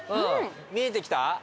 見えてきた？